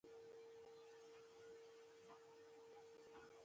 پر خپل ولینعمت مخ را اړوي.